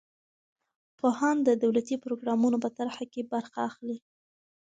پوهان د دولتي پروګرامونو په طرحه کې برخه اخلي.